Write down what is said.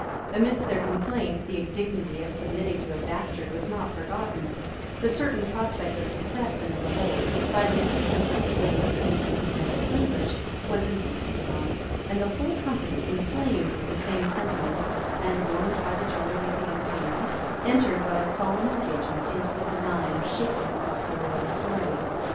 Amidst their complaints, the indignity of submitting to a bastard[*] was not forgotten; the certain prospect of success in a revolt, by the assistance of the Danes and the discontented English, was insisted on; and the whole company, inflamed with the same sentiments, and warmed by the jollity of the entertainment, entered, by a solemn engagement, into the design of shaking off the royal authority.